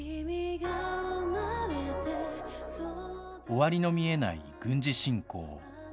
終わりの見えない軍事侵攻。